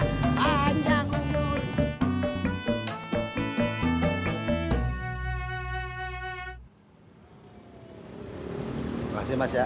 terima kasih mas ya